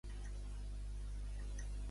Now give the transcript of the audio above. El meu nom és Raquel: erra, a, cu, u, e, ela.